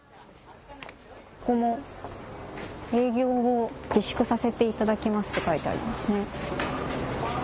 ここも営業を自粛させていただきますと書いてありますね。